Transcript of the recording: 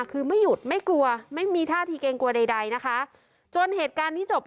คือไม่หยุดไม่กลัวไม่มีท่าทีเกรงกลัวใดใดนะคะจนเหตุการณ์นี้จบ